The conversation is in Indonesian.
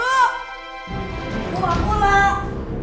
bu aku mau pulang